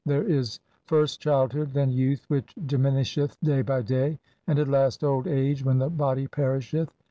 There is first childhood, then youth which diminisheth day by day, and at last old age, when the body perisheth.